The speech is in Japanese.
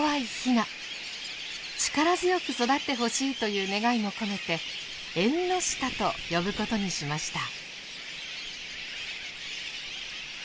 力強く育ってほしいという願いも込めて「エンノシタ」と呼ぶことにしました。